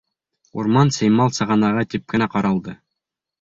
Урман сеймал сығанағы тип кенә ҡаралды.